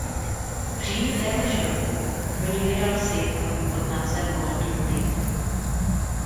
V říjnu téhož roku pro ni vydal single pod názvem "golden thing".